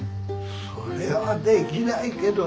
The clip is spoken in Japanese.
それはできないけど。